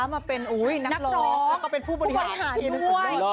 มาเป็นนักเล่องก็เป็นผู้บริหารด้วย